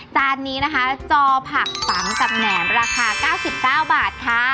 จานนี้นะคะจอผักปังกับแหนมราคา๙๙บาทค่ะ